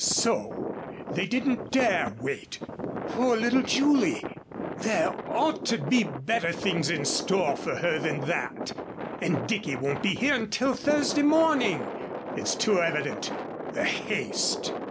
"So! They didn't dare wait! Poor little Julie! There ought to be better things in store for her than that! And Dicky won't be here until Thursday morning! It's too evident the haste."